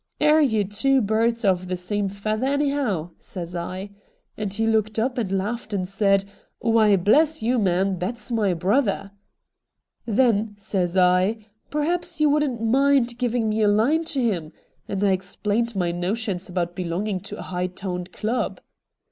'*' Air you two birds of the same feather anyhow ?" says I. And he looked up and laughed and said, "Why, bless you, man, that's my brother !"' Then says I, •' Perhaps you wouldn't mind giving me a line to him," and I explained my notions about beloncrincr to a hicrh toned club.